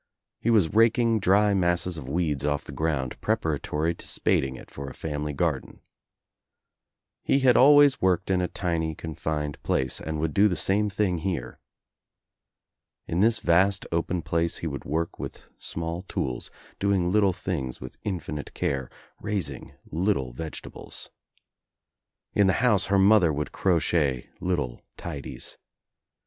He was raking dry mas l scs of weeds off the ground preparatory to spading I it for a family garden. He had always worked Lin a tiny confined place and would do the same thing I here. In this vast open place he would work with [small tools, doing little things with infinite care, rais ing little vegetables. In the house her mother would crochet little tidies.